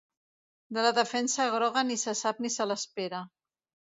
De la defensa groga, ni se sap ni se l’espera.